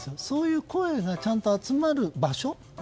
そういう声がちゃんと集まる場所。